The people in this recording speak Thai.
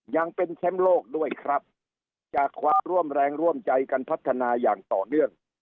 ยังเป็นแชมป์โลกด้วยครับจากความร่วมแรงร่วมใจกันพัฒนาอย่างต่อเนื่อง